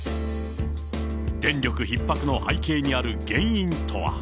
電力ひっ迫の背景にある原因とは。